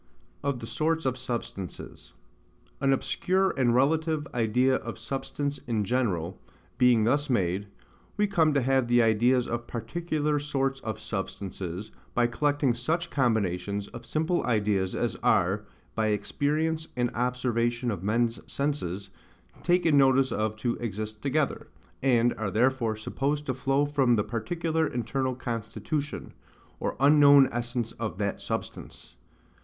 Of the Sorts of Substances. An obscure and relative idea of SUBSTANCE IN GENERAL being thus made we come to have the ideas of PARTICULAR SORTS OF SUBSTANCES, by collecting SUCH combinations of simple ideas as are, by experience and observation of men's senses, taken notice of to exist together; and are therefore supposed to flow from the particular internal constitution, or unknown essence of that substance.